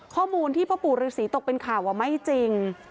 ข้อมูลที่พ่อปู่ฤษีตกเป็นข่าวไม่จริง